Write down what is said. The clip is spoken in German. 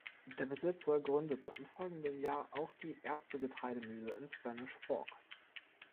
Der Besitzer gründete im folgenden Jahr auch die erste Getreidemühle in Spanish Fork.